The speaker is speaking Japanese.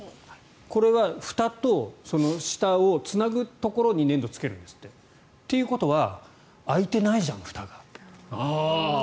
これはふたとその下をつなぐところに粘土をつけるんですって。ということは開いてないじゃんふたがと。